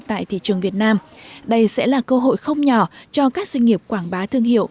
tại thị trường việt nam đây sẽ là cơ hội không nhỏ cho các doanh nghiệp quảng bá thương hiệu